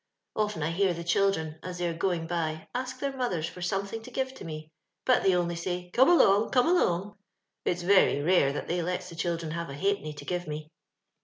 " Often I hear the children, as tLey are going by, ask their mothers for something to give to me; but they only say, *Come along — oome along !' It's very rare that they lets the children have a ha'penny to give me.